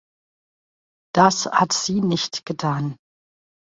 Das hat sie nicht getan.